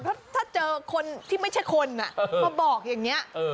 เพราะถ้าเจอคนที่ไม่ใช่คนมาบอกอย่างนี้